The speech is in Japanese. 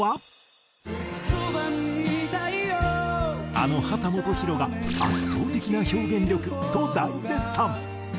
あの秦基博が「圧倒的な表現力」と大絶賛！